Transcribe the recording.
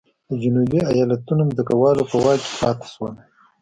د جنوبي ایالتونو ځمکوالو په واک کې پاتې شول.